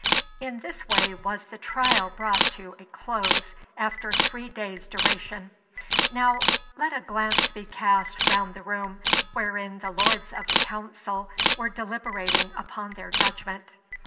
In this way was the trial brought to a close, after three days' duration. Now, let a glance be cast round the room wherein the lords of the Council were deliberating upon their judgment.